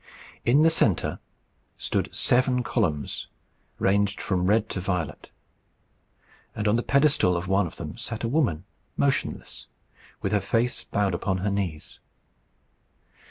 In the centre stood seven columns, ranged from red to violet. And on the pedestal of one of them sat a woman, motionless, with her face bowed upon her knees.